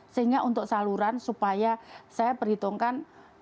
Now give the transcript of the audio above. sehingga untuk saluran supaya saya perhitungkan